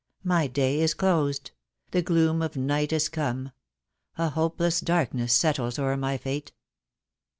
My day is closed! the gloom of night is come! A hopeless darkness setdes o'er my fate!"